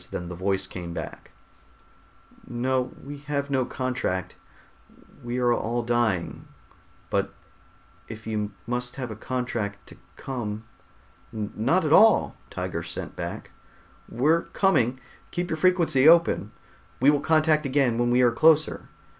Then the voice came back, "No, we have no contract. We are all dying, but if you must have a contract to come...." "Not at all," Tiger sent back. "We're coming. Keep your frequency open. We will contact again when we are closer."